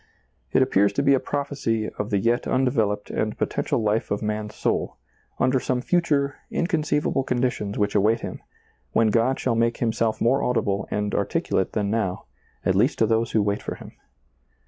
It appears to be a prophecy of the yet undeveloped and potential life of man's soul, under some future, inconceivable conditions which await him, when God shall make himself more audible and articulate than now, at least to those who wait for Him.